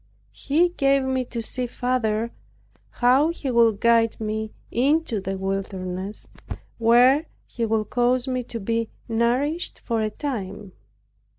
He gave me to see farther how He would guide me into the wilderness, where He would cause me to be nourished for a time.